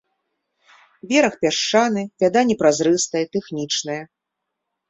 Бераг пясчаны, вада не празрыстая, тэхнічная.